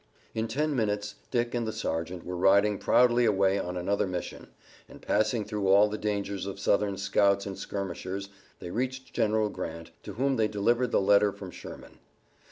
In ten minutes Dick and the sergeant were riding proudly away on another mission, and, passing through all the dangers of Southern scouts and skirmishers, they reached General Grant, to whom they delivered the letter from Sherman.